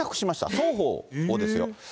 双方をですよ。